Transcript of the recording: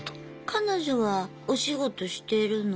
彼女はお仕事してるの？